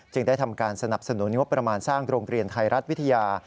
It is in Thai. ได้ทำการสนับสนุนงบประมาณสร้างโรงเรียนไทยรัฐวิทยา